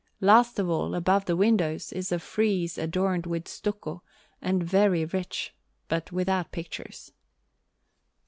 Last of all, above the windows, is a frieze all adorned with stucco, and very rich, but without pictures.